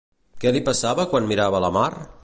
Què li passava quan mirava la mar?